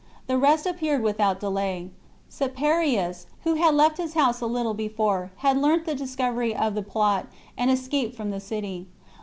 The rest appeared without delay ; Caeparius, who had left his house a little be fore, had learnt the discovery of the plot, and escaped from the city.